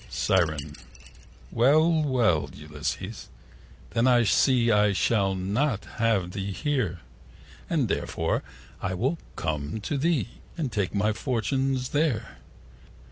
Siren.Well, well, Ulysses, then I see 65 I shall not have thee here: And therefore I will come to thee, And take my fortune there.